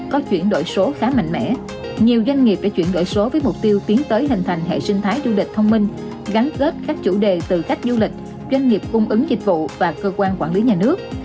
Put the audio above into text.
các ngân hàng sẽ chuyển đổi số với mục tiêu tiến tới hình thành hệ sinh thái du lịch thông minh gắn kết các chủ đề từ khách du lịch doanh nghiệp cung ứng dịch vụ và cơ quan quản lý nhà nước